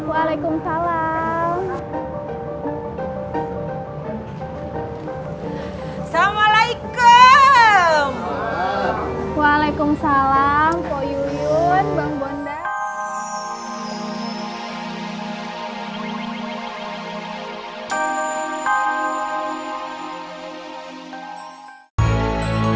banyak banyak yang sama sama waalaikumsalam